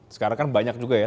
sekarang kan banyak juga ya